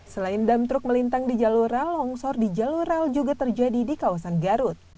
selain dam truk melintang di jalur rel longsor di jalur rel juga terjadi di kawasan garut